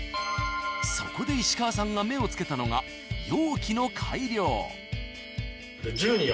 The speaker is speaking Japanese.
そこで石川さんが目を付けたのが容器の改良。